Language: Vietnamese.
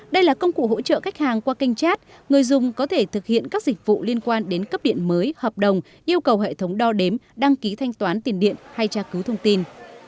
đây là công cụ hỗ trợ khách hàng qua kênh chat người dùng có thể thực hiện các dịch vụ liên quan đến cấp điện mới hợp đồng yêu cầu hệ thống đo đếm đăng ký thanh toán tiền điện hay tra cứu thông tin